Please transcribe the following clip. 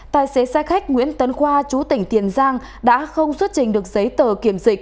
tài xế xe khách nguyễn tấn khoa chú tỉnh tiền giang đã không xuất trình được giấy tờ kiểm dịch